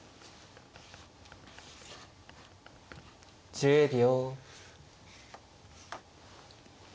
１０秒。